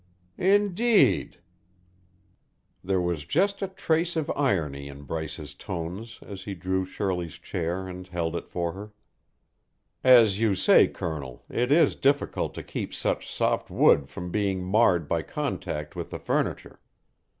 "Indeed!" There was just a trace of irony in Bryce's tones as he drew Shirley's chair and held it for her. "As you say, Colonel, it is difficult to keep such soft wood from being marred by contact with the furniture.